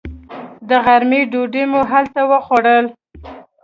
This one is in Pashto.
د غرمې ډوډۍ مو هلته وخوړل.